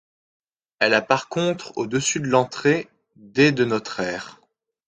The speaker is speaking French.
Elle a par contre au-dessus de l'entrée, des de notre ère.